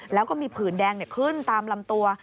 แล้วก็มีผื่นแดงขึ้นตามลำตัว